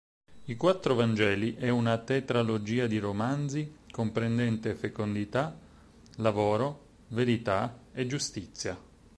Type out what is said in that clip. I quattro Vangeli è una tetralogia di romanzi, comprendente "Fecondità", "Lavoro", "Verità" e "Giustizia".